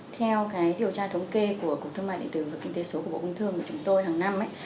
theo điều tra thống kê của cục thương mại điện tử và kinh tế số của bộ công thương của chúng tôi hàng năm